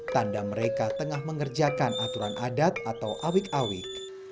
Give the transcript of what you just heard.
tanda mereka tengah mengerjakan aturan adat atau awik awik